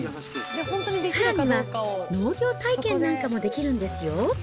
さらには、農業体験なんかもできるんですよ。